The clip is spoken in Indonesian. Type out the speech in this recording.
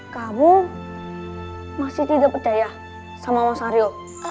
kamu masih tidak percaya sama mas aryo